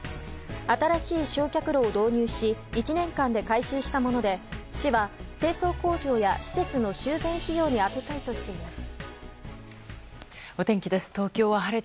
新しい焼却炉を導入し１年間で回収したもので市は清掃工場や移設の修繕費用に充てたいとしています。